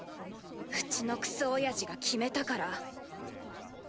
うちのクソおやじが決めたから。